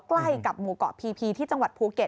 ใกล้กับหมู่เกาะพีพีที่จังหวัดภูเก็ต